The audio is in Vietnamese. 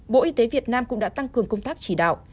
bộ y tế việt nam cũng đã tăng cường công tác chỉ đạo